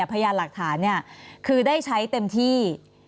พยานหลักฐานคือได้ใช้เต็มที่